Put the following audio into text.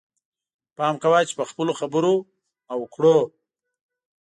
پام کوه چې په خپلو خبرو او کړو.